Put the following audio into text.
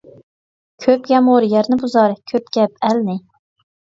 كۆپ يامغۇر يەرنى بۇزار، كۆپ گەپ ئەلنى.